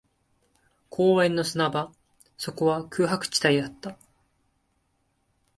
公園の砂場、そこは空白地帯だった